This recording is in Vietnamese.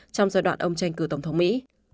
trong giai đoạn ông tranh cử tổng thống mỹ